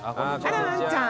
あらワンちゃん。